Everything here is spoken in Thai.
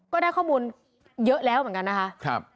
ก็ได้ข้อมูลเยอะแล้วเหมือนกันนะคะ